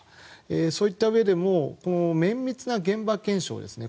そういったうえでも綿密な現場検証ですね。